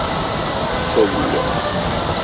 Ttel.